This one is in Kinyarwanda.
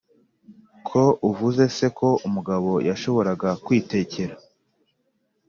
Ko uvuze se ko umugabo yashoboraga kwitekera